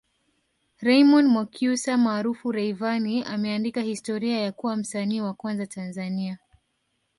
Raymond Mwakyusa maarufu Rayvanny ameandika historia ya kuwa msanii wa kwanza Tanzania